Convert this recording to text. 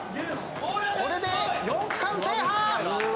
これで４区間制覇！